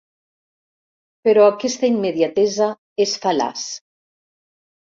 Però aquesta immediatesa és fal·laç.